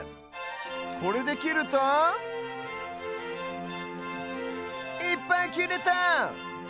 これできるといっぱいきれた！